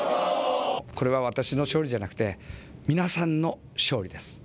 これは私の勝利じゃなくて皆さんの勝利です。